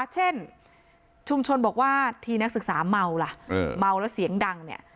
เช่นชุมชนบอกว่าที่นักศึกษาเมาล่ะเมาแล้วเสียงดังเนี่ย